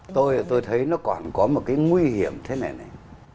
tôi thấy nó còn có một cái nguy hiểm thế này